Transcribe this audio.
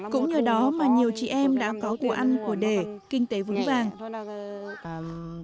cũng nhờ đó mà nhiều chị em đã có của ăn của đẻ kinh tế vững vàng